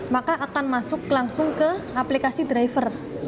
maka akan masuk langsung ke aplikasi driver